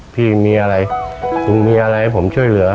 พี่มีอะไรลุงมีอะไรให้ผมช่วยเหลือ